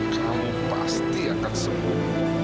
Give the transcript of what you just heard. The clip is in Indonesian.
kamu pasti akan sembuh